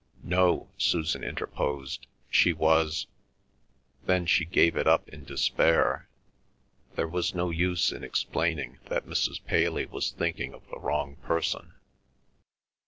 "No," Susan interposed. "She was—" then she gave it up in despair. There was no use in explaining that Mrs. Paley was thinking of the wrong person.